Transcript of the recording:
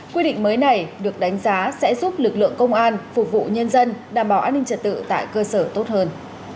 quy định mới này được đánh giá sẽ giúp lực lượng công an phục vụ nhân dân đảm bảo an ninh trật tự tại cơ sở tốt hơn